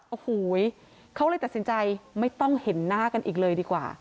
โอ้โหเขาเลยตัดสินใจไม่ต้องเห็นหน้ากันอีกเลยดีกว่า